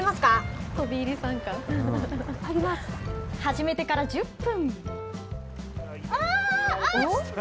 始めてから１０分。